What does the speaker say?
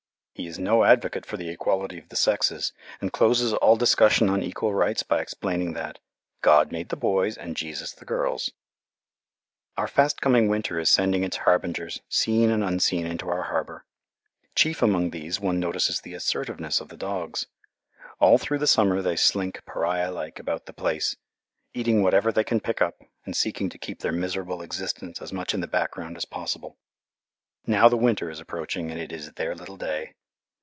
He is no advocate for the equality of the sexes, and closes all discussion on equal rights by explaining that "God made the boys and Jesus the girls." Our fast coming winter is sending its harbingers, seen and unseen, into our harbour. Chief among these one notices the assertiveness of the dogs. All through the summer they slink pariah like about the place, eating whatever they can pick up, and seeking to keep their miserable existence as much in the background as possible. Now the winter is approaching, and it is "their little day."